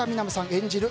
演じる